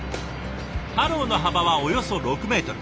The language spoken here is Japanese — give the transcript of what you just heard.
ハローの幅はおよそ６メートル。